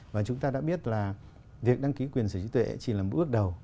và chúng ta đã biết là việc đăng ký quyền sở trí tuệ chỉ là một bước đầu